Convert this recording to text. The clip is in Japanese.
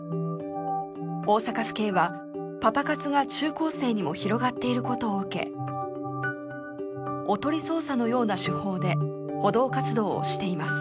大阪府警はパパ活が中高生にも広がっていることを受けおとり捜査のような手法で補導活動をしています。